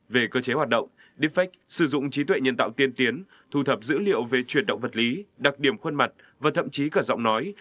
về cơ chế hoạt động defect sử dụng trí tuệ nhân tạo tiên tiến thu thập dữ liệu về chuyển động vật lý đặc điểm khuôn mặt và thậm chí cả giọng nói